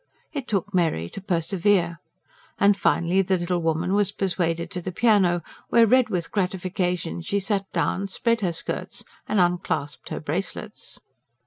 It took Mary to persevere. And finally the little woman was persuaded to the piano, where, red with gratification, she sat down, spread her skirts and unclasped her bracelets.